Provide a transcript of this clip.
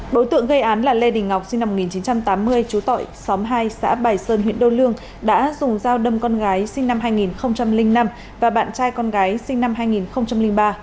đối tượng gây án là lê đình ngọc sinh năm một nghìn chín trăm tám mươi chú tội xóm hai xã bài sơn huyện đô lương đã dùng dao đâm con gái sinh năm hai nghìn năm và bạn trai con gái sinh năm hai nghìn ba